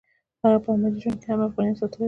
هغې په عملي ژوند کې هم افغانیت ساتلی دی